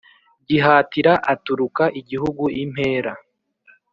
gihatira aturuka igihugu impera,